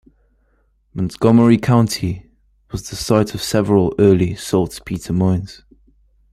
Montgomery County was the site of several early saltpeter mines.